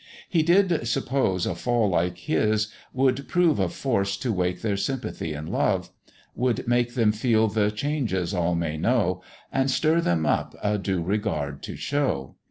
"He did suppose a fall, like his, would prove Of force to wake their sympathy and love; Would make them feel the changes all may know, And stir them up a due regard to show."